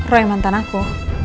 roy mantan aku